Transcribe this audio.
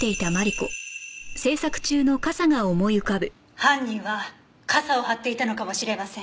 犯人は傘を張っていたのかもしれません。